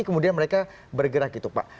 kemudian mereka bergerak gitu pak